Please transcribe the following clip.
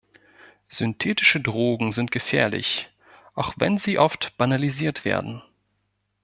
Synthetische Drogen sind gefährlich, auch wenn sie oft banalisiert werden.